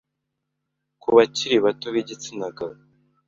Ku bakiri bato b’igitsinagabo